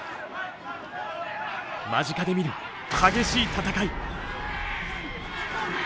間近で見る激しい戦い。